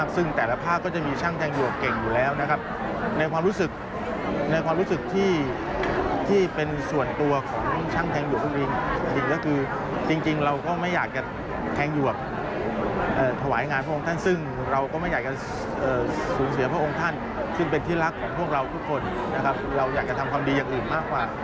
ซึ่งเป็นที่รักของพวกเราอยากจะทำความดีอย่างอื่นมากกว่า